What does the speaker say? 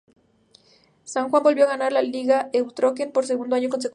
San Juan volvió a ganar la liga Euskotren por segundo año consecutivo.